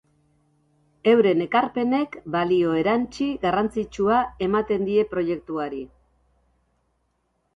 Euren ekarpenek balio erantsi garrantzitsua ematen die proiektuari.